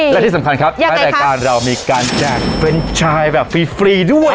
และที่สำคัญครับท้ายรายการเรามีการแจกเฟรนชายแบบฟรีด้วย